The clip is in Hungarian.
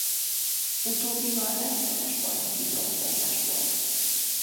Utóbbival egyszeres bajnoki bronzérmes volt.